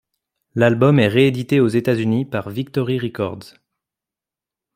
L'album est réédité aux États-Unis par Victory Records.